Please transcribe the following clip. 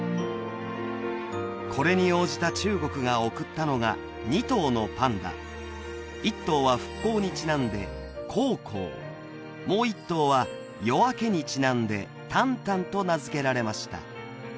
これに応じた中国が送ったのが２頭のパンダ１頭は復興にちなんで興興もう一頭は夜明けにちなんで旦旦と名付けられました